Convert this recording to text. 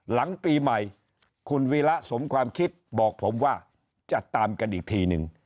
หลังปีใหม่คุณวีระสมความคิดบอกผมว่าจะตามกันอีกทีนึง